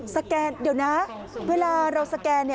แกนเดี๋ยวนะเวลาเราสแกน